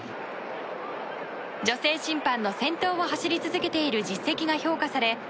女性審判の先頭を走り続けている実績が評価され